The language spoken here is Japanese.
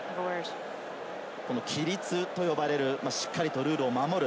規律と呼ばれるしっかりルールを守る。